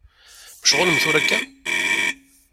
Mecɣulem tura akka?